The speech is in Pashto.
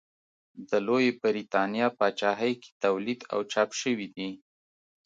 د لویې برېتانیا پاچاهۍ کې تولید او چاپ شوي دي.